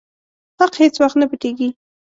حق هيڅ وخت نه پټيږي.